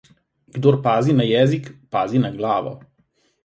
Kdor pazi na jezik, pazi na glavo.